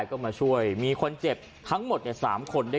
ก็แค่มีเรื่องเดียวให้มันพอแค่นี้เถอะ